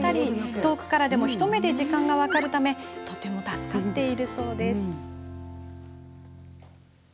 遠くからでも一目で時間が分かるためとても助かっているそうです。